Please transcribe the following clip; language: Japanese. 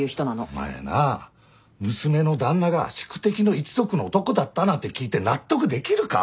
お前な「娘の旦那が宿敵の一族の男だった」なんて聞いて納得できるか？